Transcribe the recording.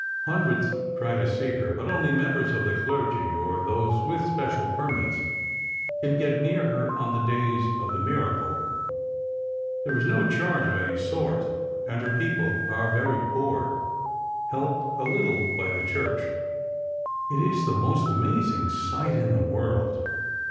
Hundreds try to see her, but only members of the clergy, or those with special permits, can get near her on the days of the miracle. There is no charge of any sort, and her people are very poor, helped a little by the Church. "It is the most amazing sight in the world.